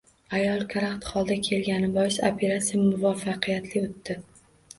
Ayol karaxt holga kelgani bois operatsiya muvaffaqiyatli o‘tdi